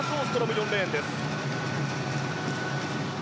４レーンです。